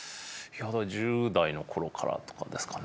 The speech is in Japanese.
１０代の頃からとかですかね。